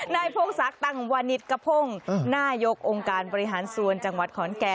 พงศักดิ์ตั้งวานิสกระพงศ์นายกองค์การบริหารส่วนจังหวัดขอนแก่น